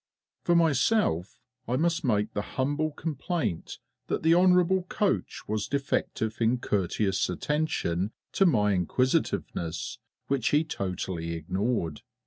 For myself, I must make the humble complaint that the Hon'ble Coach was defective in courteous attention to my inquisitiveness, which he totally ignored.